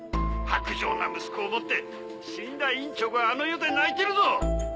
薄情な息子を持って死んだ院長があの世で泣いてるぞ。